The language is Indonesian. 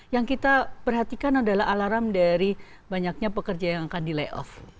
yang kita perhatikan adalah alarm dari banyaknya pekerja yang akan di layoff